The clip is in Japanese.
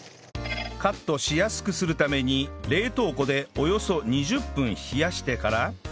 カットしやすくするために冷凍庫でおよそ２０分冷やしてから